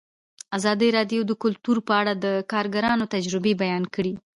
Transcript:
ازادي راډیو د کلتور په اړه د کارګرانو تجربې بیان کړي.